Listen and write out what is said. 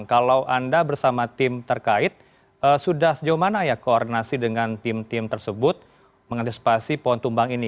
kalau anda bersama tim terkait sudah sejauh mana ya koordinasi dengan tim tim tersebut mengantisipasi pohon tumbang ini